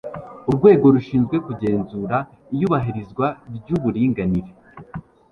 urwego rushinzwe kugenzura iyubahirizwa ry'uburinganire